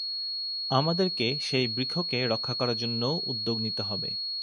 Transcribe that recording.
আমাদেরকে সেই বৃক্ষকে রক্ষা করার জন্যও উদ্যোগ নিতে হবে।